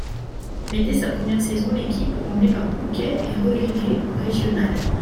Mais dès sa première saison, l'équipe emmenée par Bouquet est reléguée en régional.